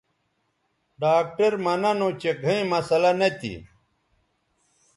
ڈاکٹر مہ ننو چہ گھئیں مسلہ نہ تھی